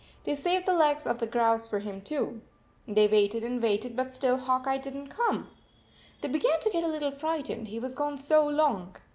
They saved the legs of the grouse for him, too. They waited and waited, but still Hawk Eye did not come. They began to get a little frightened, he was gone so long.